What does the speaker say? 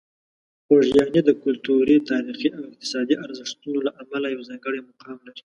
خوږیاڼي د کلتوري، تاریخي او اقتصادي ارزښتونو له امله یو ځانګړی مقام لري.